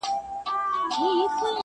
بحثونه بيا بيا تکرارېږي تل,